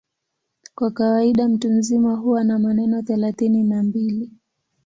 Kwa kawaida mtu mzima huwa na meno thelathini na mbili.